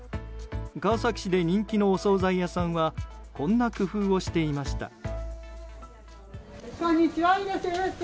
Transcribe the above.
川崎市で人気のお総菜屋さんはこんな工夫をしていました。